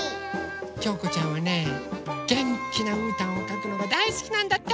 きょうこちゃんはねげんきなうーたんをかくのがだいすきなんだって！